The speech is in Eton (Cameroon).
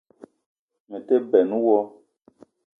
Me te benn wo